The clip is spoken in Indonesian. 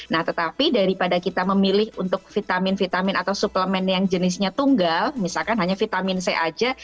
nah tetapi daripada kita memilih untuk vitamin vitamin atau suplemen yang jenisnya tunggal misalkan hanya vitamin c saja